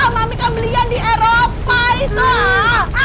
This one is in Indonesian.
mami kan belian di eropa itu ah